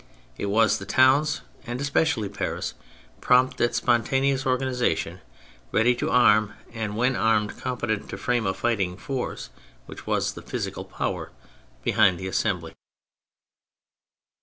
It was the towns, and especially Paris, prompt at spon taneous organisation, ready to arm, and when armed competent to frame a fighting force, which was the physical power behind the Assembly.